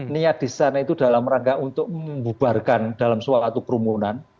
niat di sana itu dalam rangka untuk membubarkan dalam suatu kerumunan